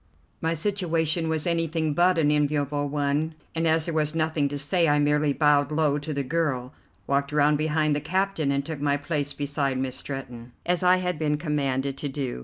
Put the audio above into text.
My situation was anything but an enviable one, and as there was nothing to say I merely bowed low to the girl, walked around behind the captain, and took my place beside Miss Stretton, as I had been commanded to do.